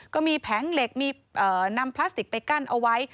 แผงเหล็กมีนำพลาสติกไปกั้นเอาไว้